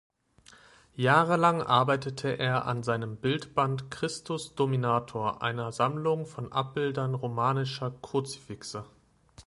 Jahrelang arbeitete er an seinem Bildband "Christus Dominator", einer Sammlung von Abbildern romanischer Kruzifixe.